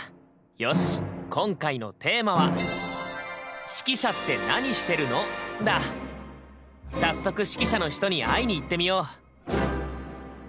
よし今回のテーマは早速指揮者の人に会いに行ってみよう。